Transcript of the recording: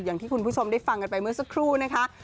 อย่างที่คุณผู้ชมได้ฟังกันไปเมื่อสักครู่นะคะ